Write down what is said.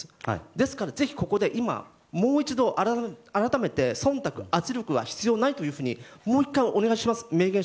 ですから、ぜひここで今、もう一度改めて忖度、圧力は必要ないともう１回お願いします